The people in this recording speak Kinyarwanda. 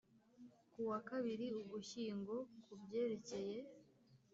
ku wa kabiri ugushyingo ku byerekeye